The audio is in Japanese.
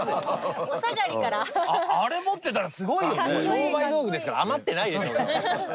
商売道具ですから余ってないでしょうよ。